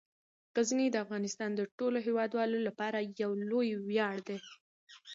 غزني د افغانستان د ټولو هیوادوالو لپاره یو لوی ویاړ دی.